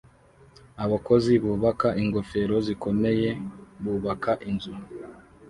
Abakozi bubaka ingofero zikomeye bubaka inzu